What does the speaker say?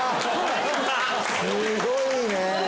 すごいね。